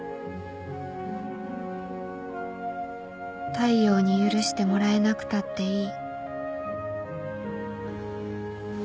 太陽に許してもらえなくたっていい